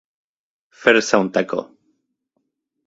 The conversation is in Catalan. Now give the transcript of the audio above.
Fer-se un tacó.